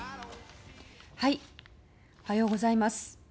おはようございます。